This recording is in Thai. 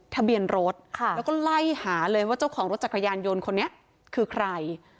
ทะเบียนรถแล้วก็ไล่หาเลยว่าเจ้าของรถจักรยานยนต์คนนี้คือใคร